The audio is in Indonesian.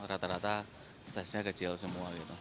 rata rata size nya kecil semua gitu